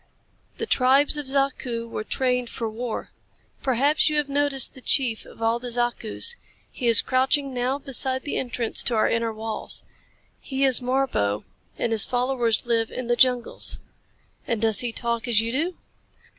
The tribes of Zaku were trained for war. Perhaps you have noticed the chief of all the Zakus. He is crouching now beside the entrance to our inner walls. He is Marbo, and his followers live in the jungles." "And does he talk as you do?"